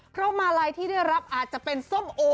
เพราะมาลัยที่ได้รับอาจจะเป็นส้มโอ